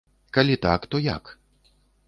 Калі так, то як?